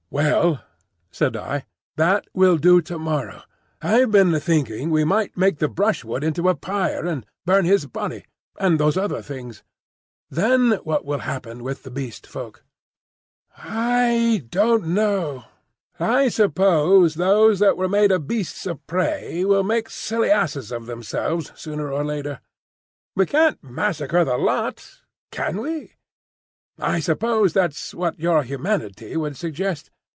"Well," said I, "that will do to morrow. I've been thinking we might make the brushwood into a pyre and burn his body—and those other things. Then what will happen with the Beast Folk?" "I don't know. I suppose those that were made of beasts of prey will make silly asses of themselves sooner or later. We can't massacre the lot—can we? I suppose that's what your humanity would suggest?